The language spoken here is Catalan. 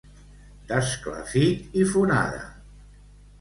D'esclafit i fonada.